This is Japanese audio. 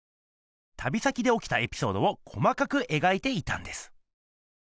旅先で起きたエピソードを細かくえがいていたんです。